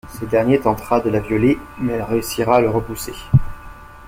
Ce dernier tentera de la violer, mais elle réussira à le repousser.